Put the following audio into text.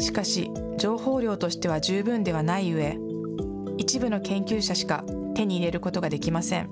しかし、情報量としては十分ではないうえ、一部の研究者しか手に入れることができません。